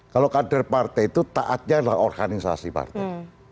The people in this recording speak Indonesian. kalau kader partai itu taatnya adalah organisasi partai